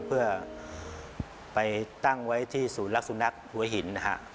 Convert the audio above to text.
เพื่อไปตั้งไว้ที่สูรักษณ์สุนัขลัวหิน